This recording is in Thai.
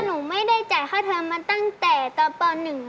หนูไม่ได้จ่ายค่าเทอมมาตั้งแต่ตอนป๑